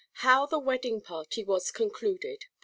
HOW THE WEDDING PARTY WAS CONCLUDED.